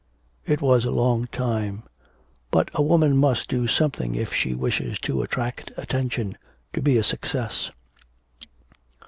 It was a long time, but a woman must do something if she wishes to attract attention, to be a success.